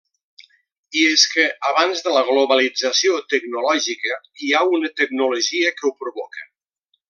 I és que abans de la globalització tecnològica hi ha una tecnologia que ho provoca.